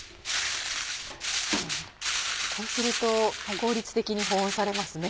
こうすると効率的に保温されますね。